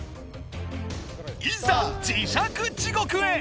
いざ磁石地獄へ！